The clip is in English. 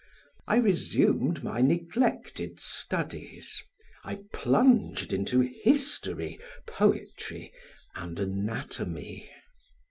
I resumed my neglected studies, I plunged into history, poetry, and anatomy.